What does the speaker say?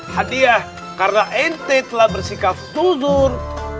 hadiah karena ente telah bersikap tudur